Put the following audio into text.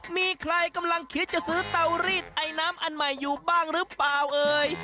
มีใครกำลังคิดจะซื้อเตารีดไอน้ำอันใหม่อยู่บ้างหรือเปล่าเอ่ย